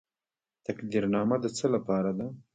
تقدیرنامه د څه لپاره ده؟